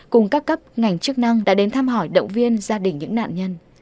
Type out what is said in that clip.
cùng các cấp ngành chức năng đã đến thăm hỏi động viên gia đình những nạn nhân